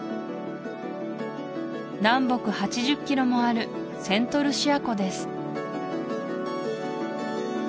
南北８０ｋｍもあるセントルシア湖です